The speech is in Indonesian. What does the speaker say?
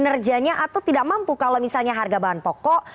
kinerjanya atau tidak mampu kalau misalnya harga bahan pokok